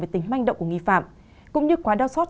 về tính manh động của nghi phạm cũng như quá đau xót